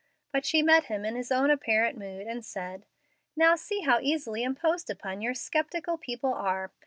But she met him in his own apparent mood, and said, "Now see how easily imposed upon your sceptical people are!